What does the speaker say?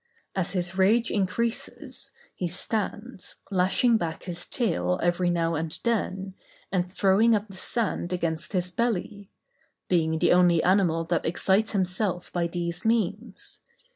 As his rage increases, he stands, lashing back his tail every now and then, and throwing up the sand against his belly; being the only animal that excites himself by these means.